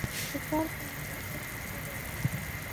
په کال کې یو مفصل کتاب ولیکه.